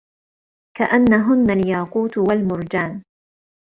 كَأَنَّهُنَّ الياقوتُ وَالمَرجانُ